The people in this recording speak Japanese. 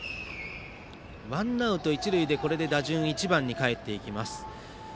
ワンアウト一塁でこれで打順は１番にかえります。